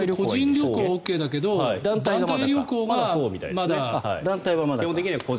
個人旅行はＯＫだけど団体旅行はまだ。